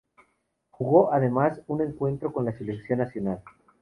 Jugó, además, un encuentro con la Selección nacional.